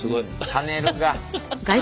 パネルが。